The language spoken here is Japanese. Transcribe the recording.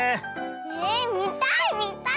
えみたいみたい！